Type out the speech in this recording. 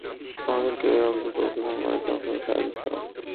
আমাদের কেউ এই অবধি পৌঁছুতাম না, একে অপরের সাহায্য ছাড়া।